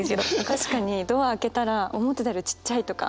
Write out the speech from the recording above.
確かにドア開けたら思ってたよりちっちゃいとか。